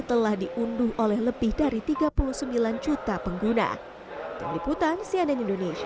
telah diunduh oleh lebih dari tiga puluh sembilan juta pengguna tim liputan cnn indonesia